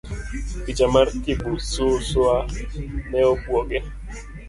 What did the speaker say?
Picha mar Kibususwa ne obuoge.